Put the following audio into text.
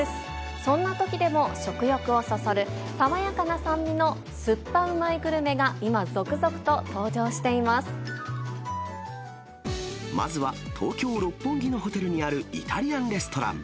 そんなときでも食欲をそそる爽やかな酸味のすっぱうまいグルまずは、東京・六本木のホテルにあるイタリアンレストラン。